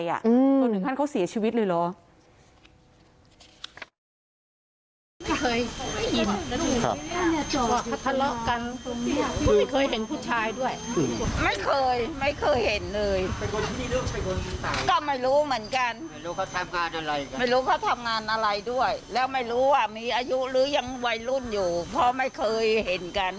จนถึงขั้นเขาเสียชีวิตเลยเหรอ